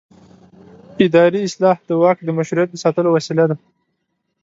اداري اصلاح د واک د مشروعیت د ساتلو وسیله ده